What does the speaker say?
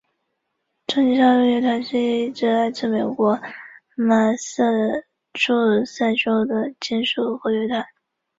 终极杀戮乐团是一支来自美国麻萨诸塞州的金属核乐团。